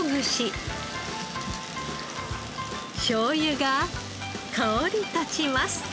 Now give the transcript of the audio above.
しょうゆが香り立ちます。